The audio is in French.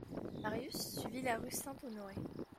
Marius suivit la rue Saint-Honoré.